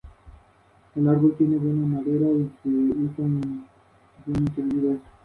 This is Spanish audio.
El edificio es de estilo neoclásico y está rodeado por una buena verja.